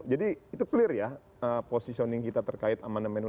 jadi itu clear ya posisioning kita terkaitkan